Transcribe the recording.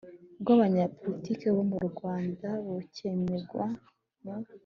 bw'abanyapolitiki bo mu rwanda bukemengwa mu